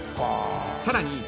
［さらに］